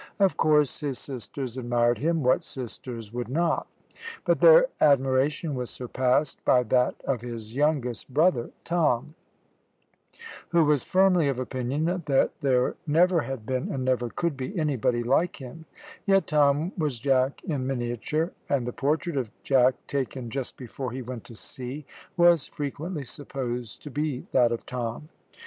Of course his sisters admired him what sisters would not? but their admiration was surpassed by that of his youngest brother, Tom, who was firmly of opinion that there never had been and never could be anybody like him; yet Tom was Jack in miniature, and the portrait of Jack, taken just before he went to sea, was frequently supposed to be that of Tom.